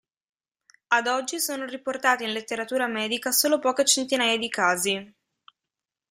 Ad oggi sono riportati in letteratura medica solo poche centinaia di casi.